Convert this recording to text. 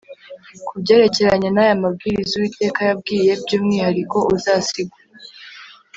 ku byerekeranye n'aya mabwirizwa, uwiteka yabwiye by'umwihariko uzasigwa